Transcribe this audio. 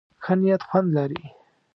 ښه نيت خوند لري.